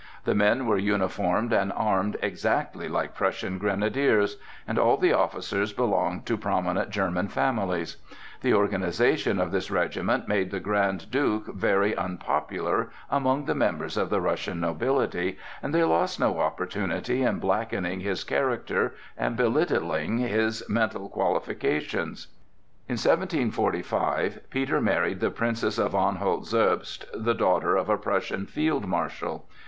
The men were uniformed and armed exactly like Prussian grenadiers, and all the officers belonged to prominent German families. The organization of this regiment made the Grand Duke very unpopular among the members of the Russian nobility, and they lost no opportunity in blackening his character and belittling his mental qualifications. In 1745 Peter married the Princess of Anhalt Zerbst, the daughter of a Prussian field marshal.